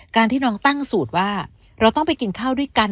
ที่น้องตั้งสูตรว่าเราต้องไปกินข้าวด้วยกัน